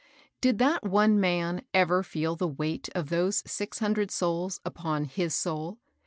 Did that one man ever feel the weight of those six hundred souls upon his soul